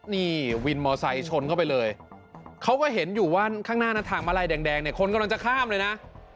นี่วินมอไซค์ชนเข้าไปเลยเขาก็เห็นอยู่ว่าข้างหน้านะทางมาลัยแดงเนี่ยคนกำลังจะข้ามเลยนะ